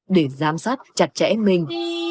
để giám sát chặt chẽ minh